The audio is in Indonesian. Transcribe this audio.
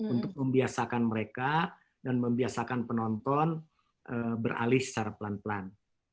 untuk membiasakan mereka dan membiasakan penonton beralih secara pelan pelan